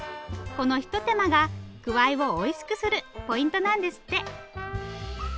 このひと手間がくわいをおいしくするポイントなんですって。